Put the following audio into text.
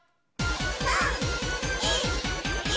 ３２１！